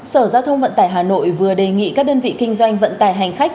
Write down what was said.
sở giao thông vận tải hà nội vừa đề nghị các đơn vị kinh doanh vận tải hành khách